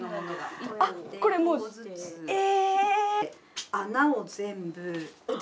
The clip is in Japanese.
あっこれもうえ！